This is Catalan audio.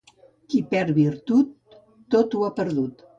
Qui perd la virtut, tot ho ha perdut.